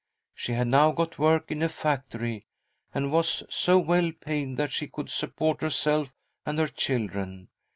She had now got work in a factory, and was so well paid that she could support herself and her children.